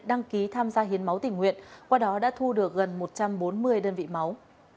đăng ký tham gia hiến máu tình nguyện qua đó đã thu được gần một trăm bốn mươi đơn vị máu